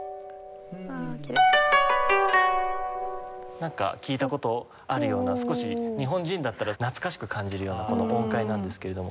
なんか聴いた事あるような少し日本人だったら懐かしく感じるようなこの音階なんですけれども。